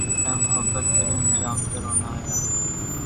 اے محبت تیرے انجام پہ رونا آیا